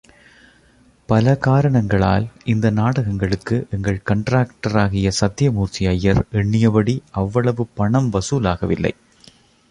பல காரணங்களால் இந்த நாடகங்களுக்கு எங்கள் கண்டக்டராகிய சத்தியமூர்த்தி ஐயர் எண்ணியபடி அவ்வளவு பணம் வசூலாகவில்லை.